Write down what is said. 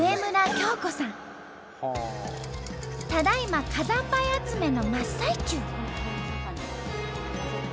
ただいま火山灰集めの真っ最中！